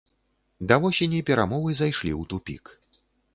Да восені перамовы зайшлі ў тупік.